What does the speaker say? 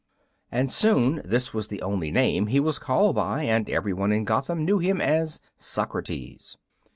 And soon this was the only name he was called by, and every one in Gotham knew him as "Socrates."